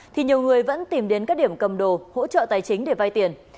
thì nhiều người vẫn tìm đến các điểm cầm đồ hỗ trợ tài chính để vay tiền